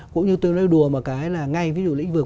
cũng như tôi nói đùa một cái là ngay ví dụ lĩnh vực